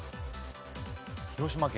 広島県？